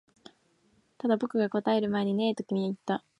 ただ、僕が答える前にねえと君は言った